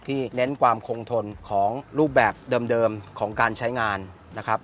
เน้นความคงทนของรูปแบบเดิมของการใช้งานนะครับ